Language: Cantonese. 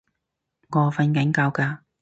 我訓緊覺㗎